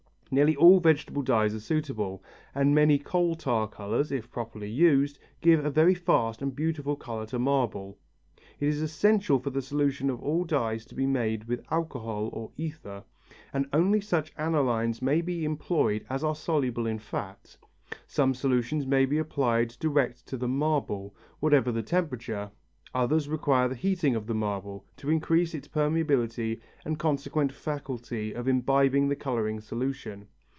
Nearly all vegetable dyes are suitable, and many coal tar colours, if properly used, give a very fast and beautiful colour to marble. It is essential for the solution of all dyes to be made with alcohol or ether, and only such anilines may be employed as are soluble in fat. Some solutions may be applied direct to the marble, whatever its temperature; others require the heating of the marble, to increase its permeability and consequent faculty of imbibing the colouring solution.